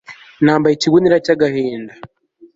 nambaye ikigunira cy'agahinda